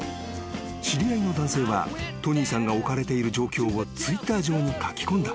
［知り合いの男性はトニーさんが置かれている状況をＴｗｉｔｔｅｒ上に書き込んだ］